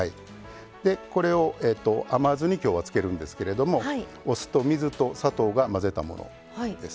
これを甘酢に今日はつけるんですけれどもお酢と水と砂糖を混ぜたものです。